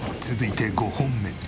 ０？続いて５本目。